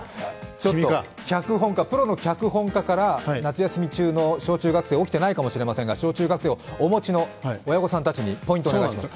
プロの脚本家から、夏休み中の小中学生起きてないかもしれませんが小中学生をお持ちの親御さんたちにポイントをお願いします。